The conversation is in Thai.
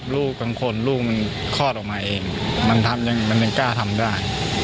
ลูกบางคนลูกมันคลอดออกมาเองมันทำยังไงมันยังกล้าทำได้